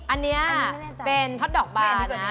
อันนี้เป็นท็อตดอกบานนะ